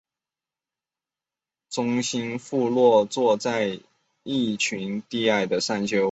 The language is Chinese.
中心附近坐落了一群低矮的山丘。